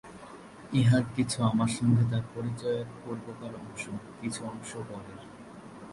ইহার কিছু আমার সঙ্গে তার পরিচয়ের পূর্বেকার অংশ, কিছু অংশ পরের।